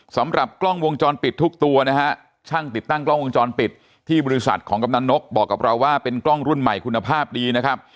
สำหรับกล้องวงจรปิดทุกตัวนะฮะช่างติดตั้งกล้องวงจรปิดที่บริษัทของกำนันนกบอกกับเราว่าเป็นกล้องรุ่นใหม่คุณภาพดีนะครับ